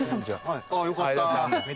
よかった。